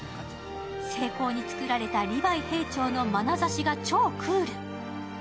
精巧に作られたリヴァイ兵長のまなざしが超クール。